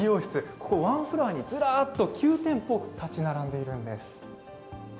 ここ、ワンフロアに、ずらっと９店舗、建ち並んでいるんです。